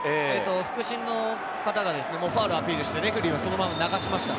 副審の方がファウルをアピールしてレフェリーをそのまま流しました。